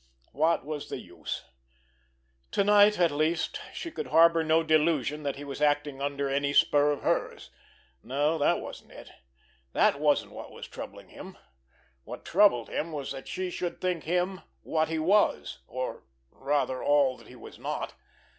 What was the use! To night, at least, she could harbor no delusion that he was acting under any spur of hers! No, that wasn't it—that wasn't what was troubling him. What troubled him was that she should think him what he was, or, rather, all that he was not!